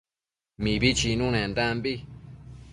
Mibi chinunendambi